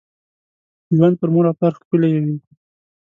ژوند پر مور او پلار ښکلي وي .